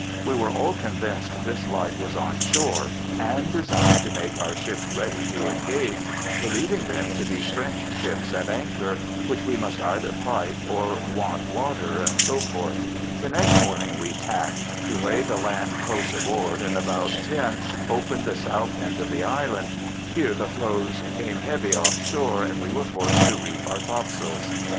We were all convinced this light was on shore, and designed to make our ships ready to engage, believing them to be French ships at anchor, which we must either fight, or want water," &c. The next morning " we tacked, to lay the land close aboard, and about ten open'd the south end of the island ; here the flaws came heavy oflF shore, and we were forc'd to reef our topsails.